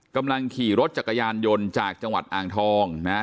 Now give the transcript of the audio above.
กำลังขี่รถจักรยานยนต์จากจังหวัดอ่างทองนะฮะ